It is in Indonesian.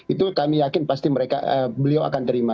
itu kami yakin pasti beliau akan terima